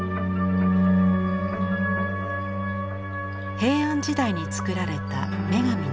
平安時代に作られた女神の像。